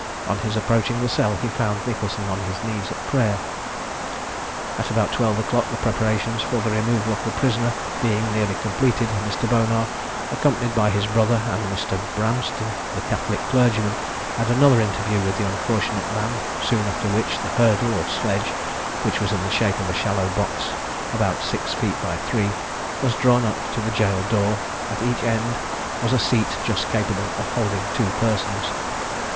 On his approaching the cell, he found Nicholson on his knees at prayer. At about twelve o'clock, the preparations for the removal of the prisoner being nearly completed, Mr. Bonar, accompanied by his brother, and Mr. Bramston, the Catholic clergyman, had another interview with the unfortunate man, soon after which, the hurdle or sledge, which was in the shape of a shallow box, about six feet by three, was drawn up to the jail door; at each end was a seat just capable of holding two persons.